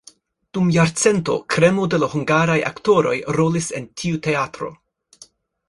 Dum jarcento kremo de la hungaraj aktoroj rolis en tiu teatro.